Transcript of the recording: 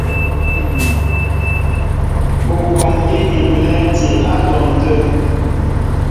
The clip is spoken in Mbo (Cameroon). Ú kɔŋki mi belɛ̂ti á dwɔn tə̂.